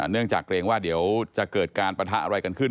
เนื่องจากเกรงว่าเดี๋ยวจะเกิดการปะทะอะไรกันขึ้น